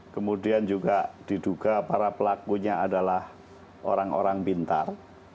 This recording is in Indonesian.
kemudian juga diduga para pelakunya adalah orang orang pintar